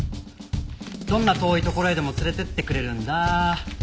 どんな遠い所へでも連れていってくれるんだ。